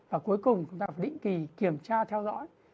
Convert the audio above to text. và cuối cùng chúng ta phải định kỳ kiểm tra theo dõi